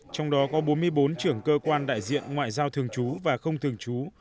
trong đó có bốn mươi bốn trưởng cơ quan đại diện ngoại giao thường trú và không thường trú